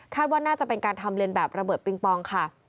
ว่าน่าจะเป็นการทำเลนแบบระเบิดปิงปองค่ะ